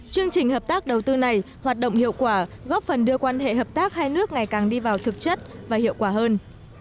chương trình hợp tác đầu tư này hoạt động hiệu quả góp phần đưa quan hệ hợp tác hai nước ngày càng đi vào thực chất và hiệu quả hơn